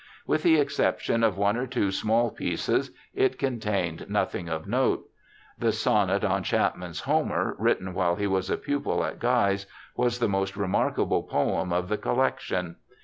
With the exception of one or two small pieces it contained nothing of note. The sonnet on Chapman's Homer, written while he was a pupil at Guy's, was the 44 BIOGRAPHICAL ESSAYS most remarkable poem of the collection.